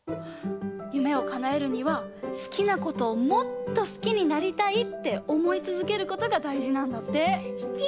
夢をかなえるには好きなことをもっと好きになりたいって思いつづけることがだいじなんだって。